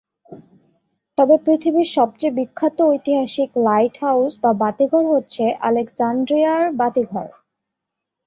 তবে পৃথিবীর সবচেয়ে বিখ্যাত ঐতিহাসিক লাইট হাউজ বা বাতিঘর হচ্ছে আলেকজান্দ্রিয়ার বাতিঘর।